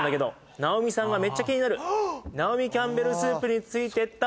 「ナオミさんがめっちゃ気になる」「ナオミ・キャンベルスープについてったも」